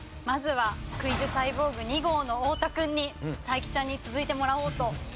まずはクイズサイボーグ２号の太田君に才木ちゃんに続いてもらおうと。